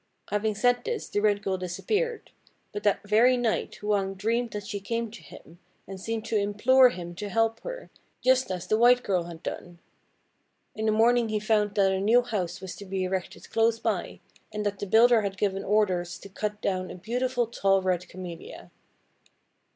Having said this, the red girl disappeared. But that very night Hwang dreamed that she came to him, and seemed to implore him to help her, just as the white girl had done. In the morning he found that a new house was to be erected close by, and that the builder had given orders to cut down a beautiful tall red Camellia.